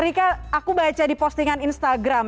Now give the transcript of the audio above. rika aku baca di postingan instagram